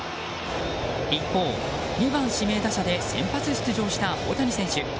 一方、２番指名打者で先発出場した大谷選手。